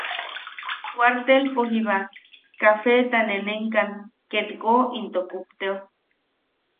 Kuartelpo jiba kafeta nenenkan ketwo into kupteo.